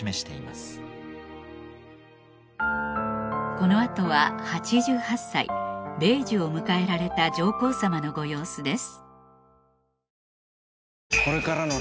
この後は８８歳米寿を迎えられた上皇さまのご様子です